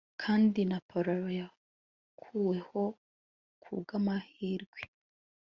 Kandi ko Napoleon yakuweho kubw amahirwe